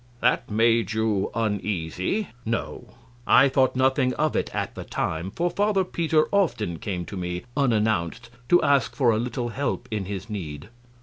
Q. That made you uneasy? A. No; I thought nothing of it at the time, for Father Peter often came to me unannounced to ask for a little help in his need.